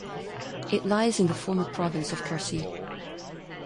It lies in the former province of Quercy.